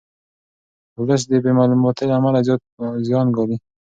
ولس د بې معلوماتۍ له امله زیات زیان ګالي.